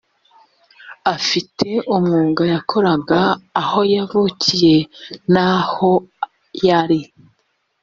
afite umwuga yakoraga aho yavukiye n aho yari